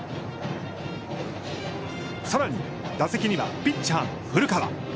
さらに打席には、ピッチャーの古川。